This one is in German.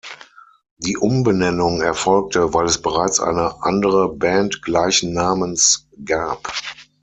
Die Umbenennung erfolgte, weil es bereits eine andere Band gleichen Namens gab.